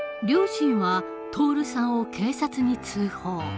両親は徹さんを警察に通報。